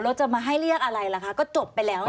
แล้วจะมาให้เรียกอะไรล่ะคะก็จบไปแล้ว